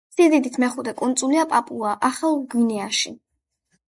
სიდიდით მეხუთე კუნძულია პაპუა-ახალ გვინეაში.